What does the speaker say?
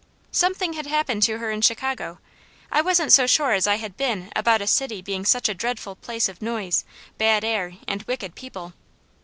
Something had happened to her in Chicago. I wasn't so sure as I had been about a city being such a dreadful place of noise, bad air, and wicked people.